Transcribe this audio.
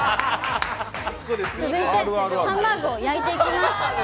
続いて、ハンバーグを焼いていきます。